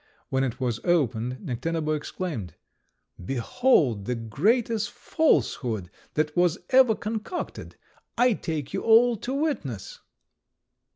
When it was opened, Necténabo exclaimed, "Behold the greatest falsehood that was ever concocted! I take you all to witness!"